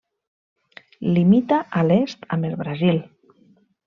Limita a l'est amb el Brasil.